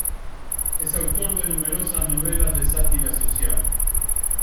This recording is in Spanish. Es autor de numerosas novelas de sátira social.